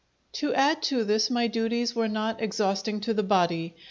To add to this my duties were not exhausting to the body.